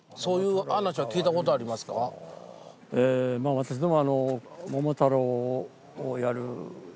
私ども。